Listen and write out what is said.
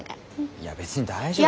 いや別に大丈夫だよ。